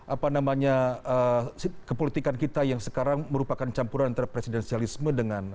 apa namanya kepolitikan kita yang sekarang merupakan campuran antara presidensialisme dengan